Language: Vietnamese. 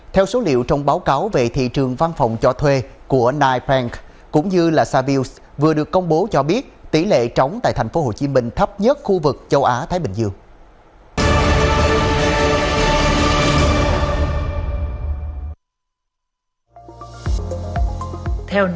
theo số liệu trong báo cáo về thị trường văn phòng cho thuê của nigel cũng như là savils vừa được công bố cho biết tỷ lệ trống tại tp hcm thấp nhất khu vực châu á thái bình dương